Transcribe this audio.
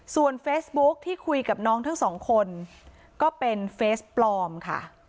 ส่วนเฟซบุ๊คที่คุยกับน้องทั้งสองคนก็เป็นเฟสปลอมค่ะ